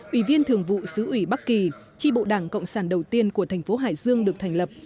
ủy viên thường vụ sứ ủy bắc kỳ tri bộ đảng cộng sản đầu tiên của thành phố hải dương được thành lập